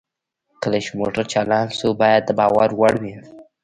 کله چې موټر چالان شو باید د باور وړ وي